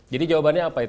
jadi jawabannya apa itu